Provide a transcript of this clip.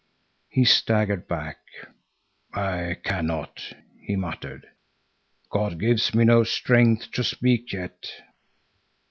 He staggered back. "I cannot," he muttered. "God gives me no strength to speak yet."